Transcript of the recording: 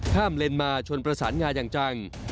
เลนมาชนประสานงาอย่างจัง